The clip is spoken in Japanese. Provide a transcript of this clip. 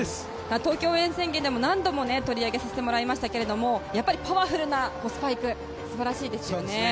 「ＴＯＫＹＯ応援宣言」でも何度も取り上げましたがやっぱりパワフルなスパイク素晴らしいですよね。